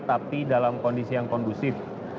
tapi dalam kondisi yang kondusif